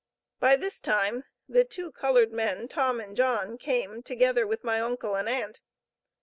By this time, the two colored men, Tom and John, came, together with my uncle and aunt.